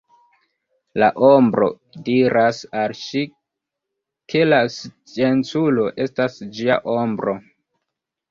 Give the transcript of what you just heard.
La ombro diras al ŝi ke la scienculo estas ĝia ombro.